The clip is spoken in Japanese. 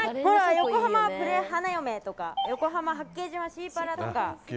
横浜プレ花嫁とか横浜・八景島シーパラとか。